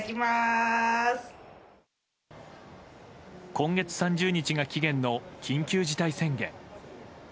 今月３０日が期限の緊急事態宣言。